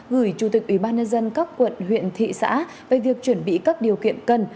gửi chủ tịch ủy ban nhân dân các quận huyện thị xã về việc chuẩn bị các điều kiện cần